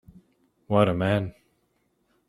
What a man!